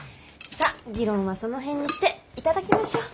さあ議論はその辺にして頂きましょう。